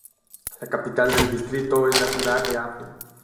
La capital del distrito es la ciudad de Afrin.